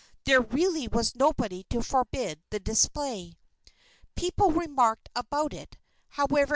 there really was nobody to forbid the display. People remarked about it, however.